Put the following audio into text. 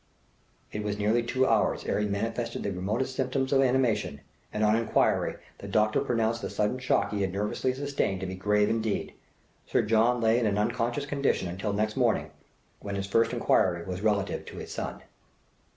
It was nearly two hours ere he manifested the remotest symptoms of animation, and on inquiry the doctor pronounced the sudden shock he had nervously sustained to be grave indeed. Sir John lay in an unconscious condition until next morning, when his first inquiry was relative to his son.